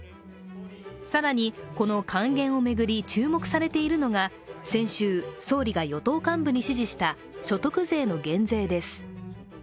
更に、この還元を巡り注目されているのが先週、総理が与党幹部に指示した所得税の減税です。